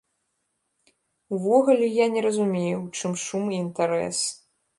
Увогуле, я не разумею, у чым шум і інтарэс.